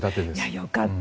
良かった。